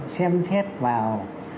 xem xét vào